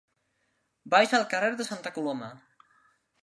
Vaig al carrer de Santa Coloma.